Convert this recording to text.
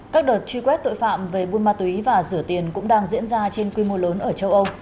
các đợt truy quét tội phạm về buôn ma túy và rửa tiền cũng đang diễn ra trên quy mô lớn ở châu âu